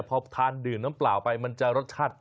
พอทานดื่มน้ำเปล่าไปมันจะรสชาติ